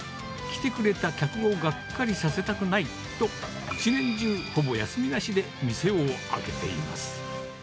来てくれた客をがっかりさせたくないと、一年中、ほぼ休みなしで店を開けています。